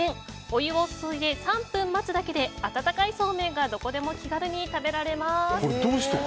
お湯を注いで３分待つだけで温かいそうめんがどこでも気軽に食べられます。